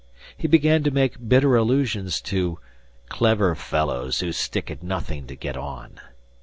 He began to make bitter allusions to "clever fellows who stick at nothing to get on."